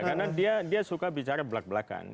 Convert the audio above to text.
karena dia suka bicara belak belakan